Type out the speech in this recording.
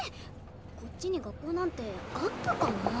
こっちに学校なんてあったかなあ。